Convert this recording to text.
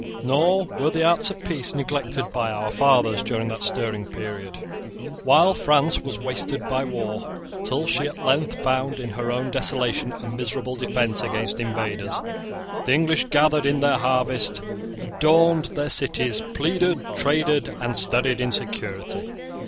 Nor were the arts of peace neglected by our fathers during that stirring period. While France was wasted by war, till she at length found in her own desolation a miserable defence against invaders, the English gathered in their harvests, adorned their cities, pleaded, traded, and studied in security.